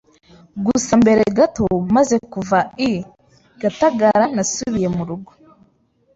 Gusa mbere gato maze kuva I gatagara nasubiye mu rugo